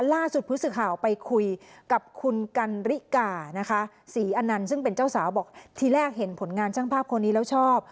ล่าสุดผู้สื่อข่าวไปคุยกับคุณกันริกานะคะศรีอนันต์ซึ่งเป็นเจ้าสาวบอกทีแรกเห็นผลงานช่างภาพคนนี้แล้วชอบ